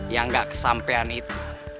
yang gak kesampean itu